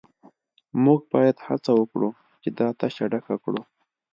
موږ باید هڅه وکړو چې دا تشه ډکه کړو